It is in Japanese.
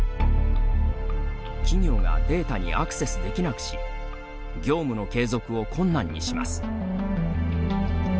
企業がデータにアクセスできなくし業務の継続を困難にします。